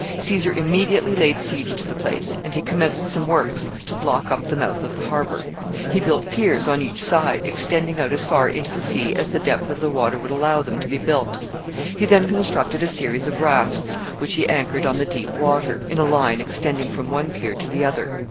Caesar immediately laid siege to the place, and he commenced some works to block up the mouth of the harbor. He built piers on each side, extending out as far into the sea as the depth of the water would allow them to be built. He then constructed a series of rafts, which he anchored on the deep water, in a line extending from one pier to the other.